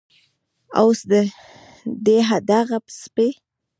اوس دې دغه سپي